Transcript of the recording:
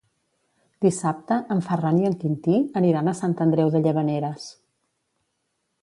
Dissabte en Ferran i en Quintí aniran a Sant Andreu de Llavaneres.